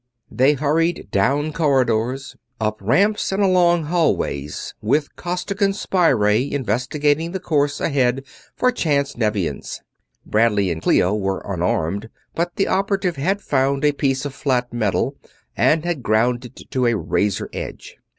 They hurried down corridors, up ramps, and along hallways, with Costigan's spy ray investigating the course ahead for chance Nevians. Bradley and Clio were unarmed, but the operative had found a piece of flat metal and had ground it to a razor edge.